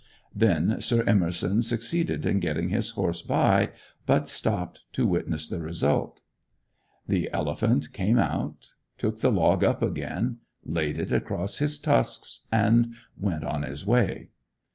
Then Sir Emerson succeeded in getting his horse by, but stopped to witness the result. The elephant came out, took the log up again, laid it across his tusks, and went on his way.